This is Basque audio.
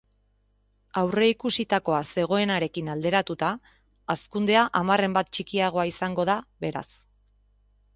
Aurreikusitakoa zegoenarekin alderatuta, hazkundea hamarren bat txikiagoa izango da, beraz.